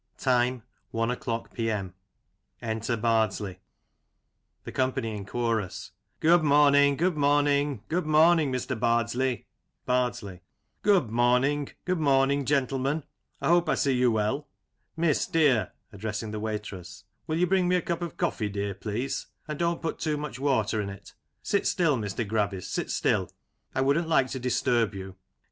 Time i o'clock p.m. {Enter Bardsley,^ The Company in Chorus: Good morning, good morning, good morning, Mr. Bardsley. Bardsley: Good morning, good morning, gentlemen, I hope I see you well. Miss, dear (addressing the waitress^ will you bring me a cup of coffee, dear, please ? And don't put too much water in it. Sit still, Mr. Gravis, sit still ; I wouldn't like to disturb you.